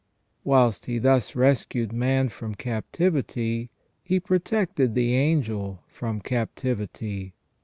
Whilst He thus rescued man from captivity, He protected the angel from captivity.